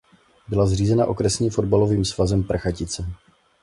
Byla řízena Okresním fotbalovým svazem Prachatice.